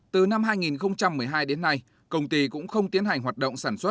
từ năm hai nghìn một mươi hai đến nay công ty cũng không tiến hành hoạt động sản xuất